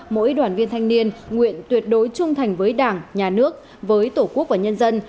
mỗi đoàn viên thanh niên nguyện tuyệt đối trung thành với đảng nhà nước với tổ quốc và nhân dân